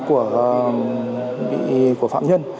có trẻ em của phạm nhân